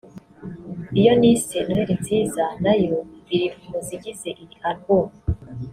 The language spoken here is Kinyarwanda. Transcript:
Iyo nise ‘Noheli Nziza’ nayo iri mu zigize iyi album